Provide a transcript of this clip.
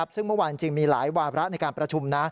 ซึ่งเมื่อวานจริงมีหลายวาระในการประชุม